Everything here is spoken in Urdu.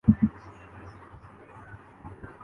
یہ ان کے لیے ملازمت کا معاملہ نہیں، ایک مشن تھا۔